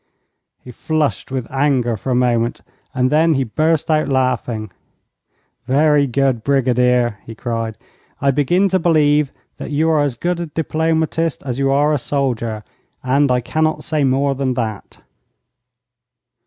He flushed with anger for a moment, and then he burst out laughing. 'Very good, Brigadier!' he cried. 'I begin to believe that you are as good a diplomatist as you are a soldier, and I cannot say more than that.'